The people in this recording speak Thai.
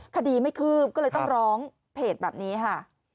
คดีไม่คืบก็เลยต้องร้องเพจแบบนี้ค่ะ